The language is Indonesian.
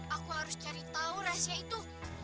aku harus cari tahu rahasia itu